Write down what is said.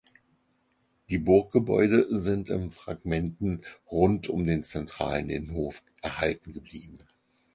Die Burggebäude sind in Fragmenten rund um den zentralen Innenhof erhalten geblieben.